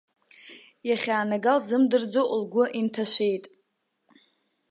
Иахьанаага лзымдырӡо, лгәы инҭашәеит.